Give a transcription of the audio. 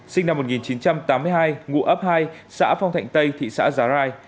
sinh năm một nghìn chín trăm tám mươi hai ngụ ấp hai xã phong thạnh tây thị xã giá rai